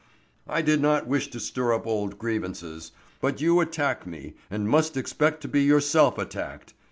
I did not wish to stir up old grievances; but you attack me and must expect to be yourself attacked.